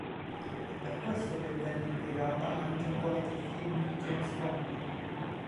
È per questo che venne impiegata anche in qualche film di James Bond.